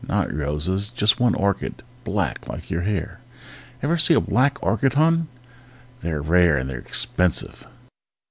Not roses, just one orchid black like your hair! Ever see a black orchid, hon? They're rare and they're expensive!